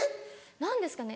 何ですかね